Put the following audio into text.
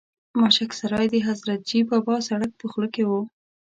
ماشک سرای د حضرتجي بابا سرک په خوله کې و.